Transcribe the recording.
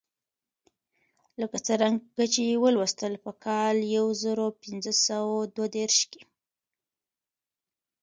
لکه څرنګه چې ولوستل په کال یو زر پنځه سوه دوه دېرش کې.